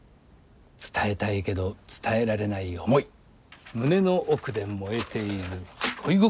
伝えたいけど伝えられない思い胸の奥で燃えている恋心。